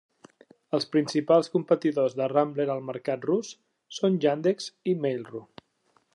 Els principals competidors de Rambler al mercat rus són Yandex i Mail.ru.